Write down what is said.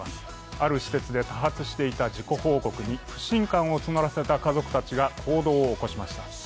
ある施設で多発していた事故報告に不信感をつのらせた家族たちが行動を起こしました。